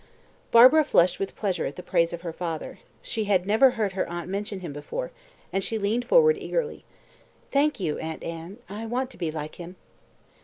Barbara flushed with pleasure at the praise of her father. She had never heard her aunt mention him before, and she leaned forward eagerly, "Thank you, Aunt Anne I want to be like him."